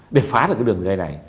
để phá được cái đường dây này